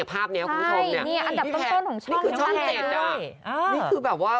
ภาพนี้คุณผู้ชมเนี่ยนี่แพร่ไหมคุณแพร่ไหมนี่คือช่อง๗น่ะนี่คือแบบว่า